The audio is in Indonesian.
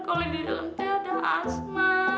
kalau di dalam teh ada asma